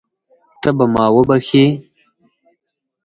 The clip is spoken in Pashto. ته به ما وبښې.